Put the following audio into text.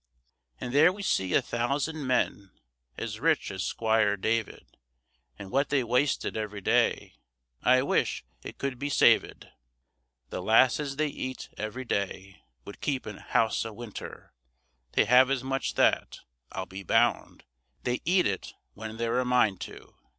And there we see a thousand men, As rich as 'Squire David; And what they wasted every day I wish it could be savèd. The 'lasses they eat every day Would keep an house a winter; They have as much that, I'll be bound, They eat it when they're a mind to.